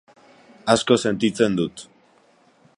Asko sentitzen dut.